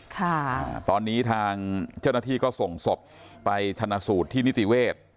ค่ะตอนนี้ทางเจ้าหน้าที่ก็ส่งศพไปชนะสูตรที่นิติเวศ